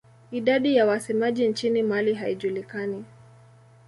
Idadi ya wasemaji nchini Mali haijulikani.